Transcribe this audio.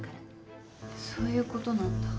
そういう事なんだ。